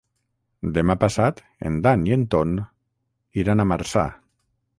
Demà passat en Dan i en Ton iran a Marçà.